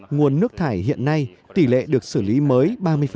nguồn nước thải hiện nay tỷ lệ được xử lý mới ba mươi